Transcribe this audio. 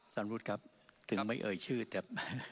สวัสดีครับถึงไม่เอ่ยชื่อแต่